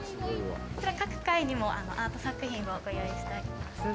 各階にもアート作品をご用意しております。